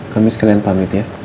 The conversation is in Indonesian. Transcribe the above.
kami sekalian pamit ya